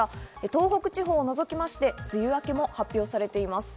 東北地方をのぞきまして、梅雨明けも発表されています。